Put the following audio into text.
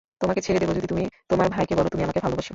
তোমাকে ছেড়ে দেবো যদি তুমি তোমার ভাইকে বলো তুমি আমাকে ভালোবাসো।